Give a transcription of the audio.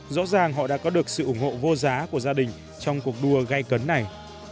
rõ ràng họ đã có được sự ủng hộ vô giá của gia đình trong cuộc đua gây cấn này